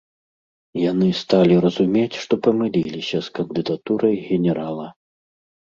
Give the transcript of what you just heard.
Яны сталі разумець, што памыліліся з кандыдатурай генерала.